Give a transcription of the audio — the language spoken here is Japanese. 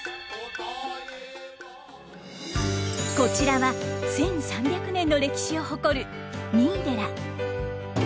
こちらは１，３００年の歴史を誇る三井寺。